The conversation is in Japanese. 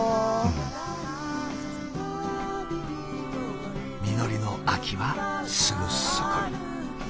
実りの秋はすぐそこに。